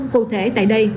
cụ thể tại đây